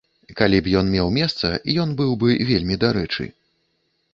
Калі б ён меў месца, ён быў бы вельмі дарэчы.